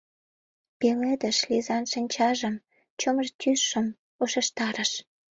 Пеледыш Лизан шинчажым, чумыр тӱсшым ушештарыш.